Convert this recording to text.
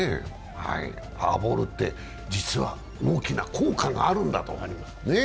フォアボールって実は大きな効果があるんだと、ねえ。